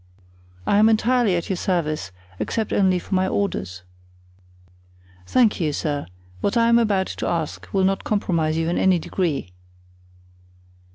I am entirely at your service, except only for my orders." "Thank you, sir; what I am about to ask will not compromise you in any degree."